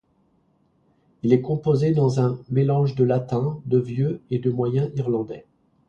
Il est composé dans un mélange de latin, de vieux et de moyen irlandais.